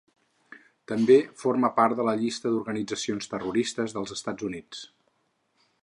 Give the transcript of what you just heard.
També forma part de la llista d'organitzacions terroristes dels Estats Units.